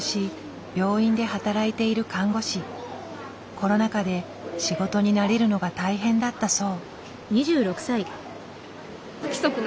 コロナ禍で仕事に慣れるのが大変だったそう。